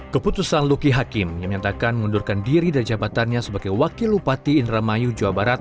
keputusan luki hakim yang menyatakan mengundurkan diri dari jabatannya sebagai wakil upati indramayu jawa barat